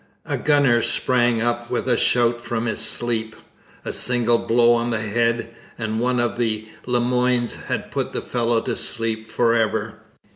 A gunner sprang up with a shout from his sleep. A single blow on the head, and one of the Le Moynes had put the fellow to sleep for ever.